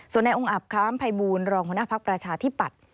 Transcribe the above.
ส่วนในองค์อับค้ามภัยบูรณรองหัวหน้าภักดิ์ประชาธิปัตย์